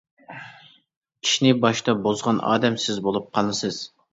ئىشنى باشتا بۇزغان ئادەم سىز بولۇپ قالىسىز.